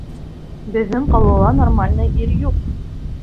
Беҙҙең ҡалала нормальный ир юҡ.